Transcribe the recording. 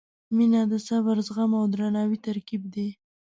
• مینه د صبر، زغم او درناوي ترکیب دی.